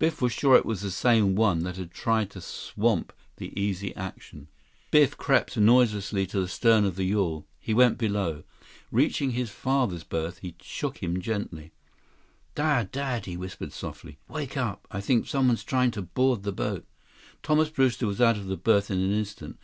Biff was sure it was the same one which had tried to swamp the Easy Action. 165 Biff crept noiselessly to the stem of the yawl. He went below. Reaching his father's berth, he shook him gently. "Dad, Dad," he whispered softly. "Wake up. I think someone's trying to board the boat." Thomas Brewster was out of his berth in an instant.